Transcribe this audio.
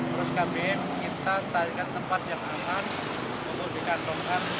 terus kpm mengintang tarikan tempat yang aman untuk dikandungkan